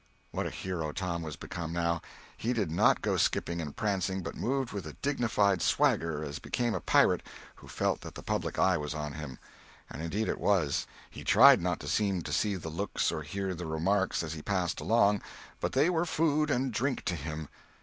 What a hero Tom was become, now! He did not go skipping and prancing, but moved with a dignified swagger as became a pirate who felt that the public eye was on him. And indeed it was; he tried not to seem to see the looks or hear the remarks as he passed along, but they were food and drink to him.